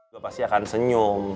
gue pasti akan senyum